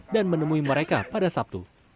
dan menemui mereka pada sabtu